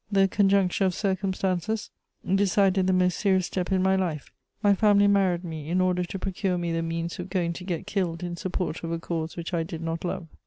This conjuncture of circumstances decided the most serious step in my life: my family married me in order to procure me the means of going to get killed in support of a cause which I did not love.